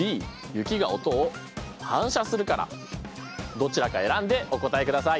どちらか選んでお答えください。